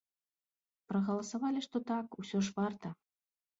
Прагаласавалі, што так, усё ж варта.